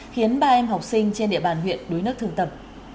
khiến ba em học sinh trên địa bàn huyện đuối nước thường tập